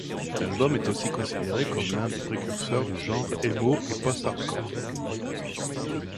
L'album est aussi considéré comme l'un des précurseurs du genre emo et post-hardcore.